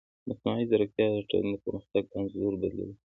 مصنوعي ځیرکتیا د ټولنې د پرمختګ انځور بدلوي.